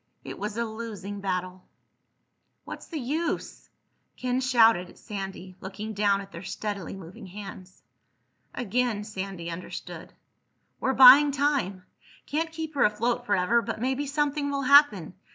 It was a losing battle. "What's the use?" Ken shouted at Sandy, looking down at their steadily moving hands. Again Sandy understood. "We're buying time. Can't keep her afloat forever, but maybe something will happen.